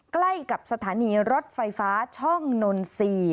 ใกล้กับสถานีรถไฟฟ้าช่องนนทรีย์